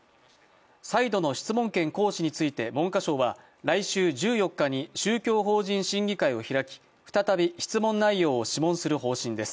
再度の質問権行使について文科省は来週１４日に宗教法人審議会を開、再び質問内容を諮問する方針です。